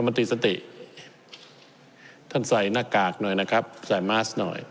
มันตีสติท่านใส่หน้ากากหน่อยนะครับใส่มาสหน่อย